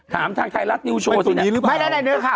ทางทายรัฐนิตุโชว์สินะเนื้อข่าว